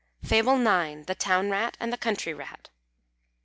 ] FABLE IX. THE TOWN RAT AND THE COUNTRY RAT.